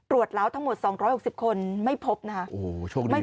ตรวจแล้วทั้งหมด๒๖๐คนไม่พบนะคะ